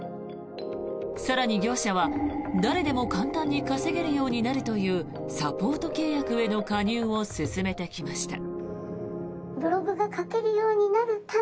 更に業者は、誰でも簡単に稼げるようになるというサポート契約への加入を勧めてきました。